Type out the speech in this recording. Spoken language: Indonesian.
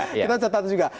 kita catatan juga